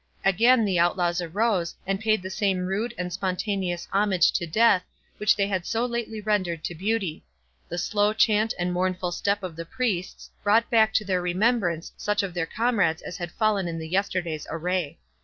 Again the outlaws arose, and paid the same rude and spontaneous homage to death, which they had so lately rendered to beauty—the slow chant and mournful step of the priests brought back to their remembrance such of their comrades as had fallen in the yesterday's array.